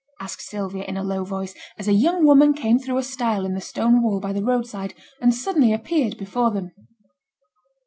asked Sylvia, in a low voice, as a young woman came through a stile in the stone wall by the roadside, and suddenly appeared before them.